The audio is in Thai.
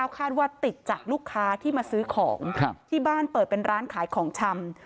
คาดว่าติดจากลูกค้าที่มาซื้อของที่บ้านเปิดเป็นร้านขายของชำ